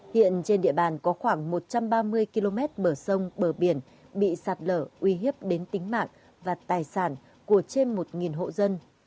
hiện trên địa bàn có khoảng một trăm ba mươi km bờ sông bờ biển bị sạt lở uy hiếp đến tính mạng và tài sản của trên một hộ dân